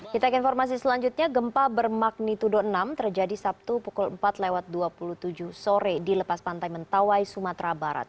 kita ke informasi selanjutnya gempa bermagnitudo enam terjadi sabtu pukul empat lewat dua puluh tujuh sore di lepas pantai mentawai sumatera barat